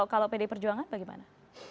kalau pedi perjuangan bagaimana